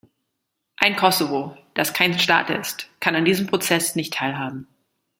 Ein Kosovo, das kein Staat ist, kann an diesem Prozess nicht teilhaben.